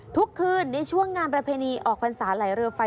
ทุกคืนในช่วงงานประเพณีออกพรรษาไหลเรือไฟ